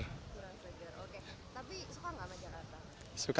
oke tapi suka nggak sama jakarta